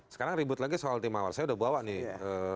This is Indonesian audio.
sekarang ribut lagi soal tim mawar saya udah bawa nih